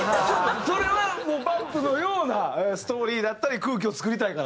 それはもうＢＵＭＰのようなストーリーだったり空気を作りたいからという？